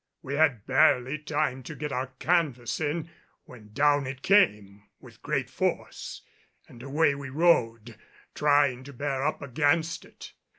We had barely time to get our canvas in when down it came with great force and away we rode trying to bear up against it.